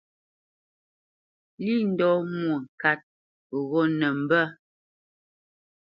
Lî ndɔ́ Mwôŋkát ghó nə mbə́.